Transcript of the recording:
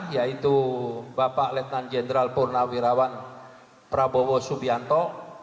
yaitu bapak letnan jenderal purnawirawan prabowo subianto